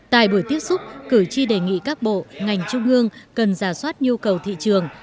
tại buổi tiếp xúc cử tri đề nghị các bộ ngành trung ương cần giả soát nhu cầu thị trường